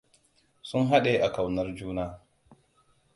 Sun haɗe a ƙaunar juna.